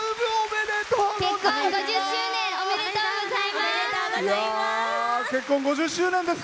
結婚５０周年おめでとうございます。